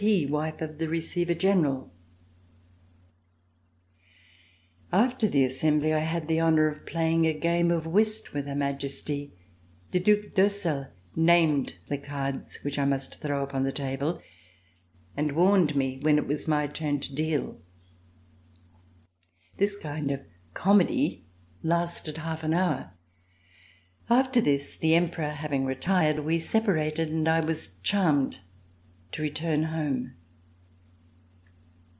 P , wife of the Receiver General. C357] RECOLLECTIONS OF THE REVOLUTION After the Assembly. I had the honor of playing a game of whist with Her Majesty. The Due d'Ursel named the cards which I must throw upon the table and warned me when it was my turn to deal. This kind of comedy lasted half an hour. After this, the Emperor having retired, we separated, and I was charmed to return home.